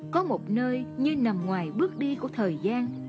có một nơi như nằm ngoài bước đi của thời gian